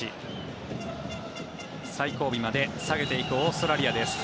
最後尾まで下げていくオーストラリアです。